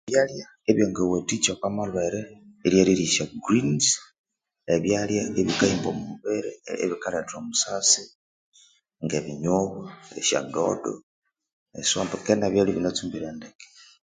Ebyalya ebyangawathikya oku malhwere lyerirya esya greens ebyalya ebikahimba omubiri ebikaletha omusasi ngebinyobwa esyadodo esombe ke nebyalya ibinatsumbire ndeke